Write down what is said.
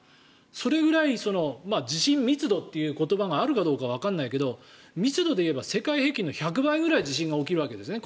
それくらい地震密度という言葉があるかどうかわからないけど密度でいえば世界平均の１００倍ぐらい地震が起きるわけですね。